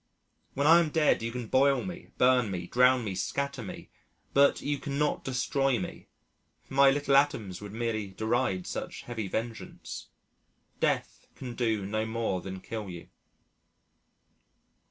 When I am dead, you can boil me, burn me, drown me, scatter me but you cannot destroy me: my little atoms would merely deride such heavy vengeance. Death can do no more than kill you.